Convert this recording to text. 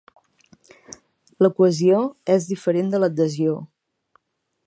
La cohesió és diferent de l'adhesió.